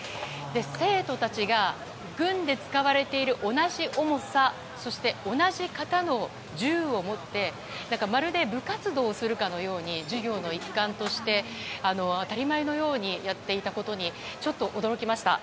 生徒たちが、軍で使われている同じ重さそして同じ型の銃を持ってまるで部活動をするかのように授業の一環として当たり前のようにやっていたことにちょっと驚きました。